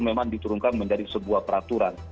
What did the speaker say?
memang diturunkan menjadi sebuah peraturan